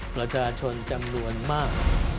ประชาชนจำนวนมาก